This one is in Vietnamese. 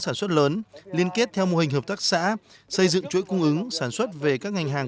sản xuất lớn liên kết theo mô hình hợp tác xã xây dựng chuỗi cung ứng sản xuất về các ngành hàng